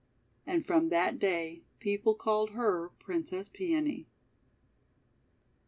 And from that day people called her Princess Peony.